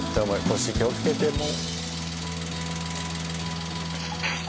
腰気をつけてもう。